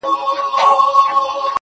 وجود مادي څیز نه دی